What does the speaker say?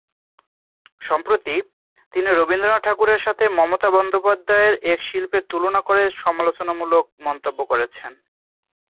সম্প্রতি, তিনি রবীন্দ্রনাথ ঠাকুরের সাথে মমতা বন্দ্যোপাধ্যায় এর শিল্পের তুলনা করে সমালোচনামূলক মন্তব্য করেছেন।